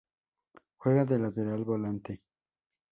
Juega de Lateral-Volante.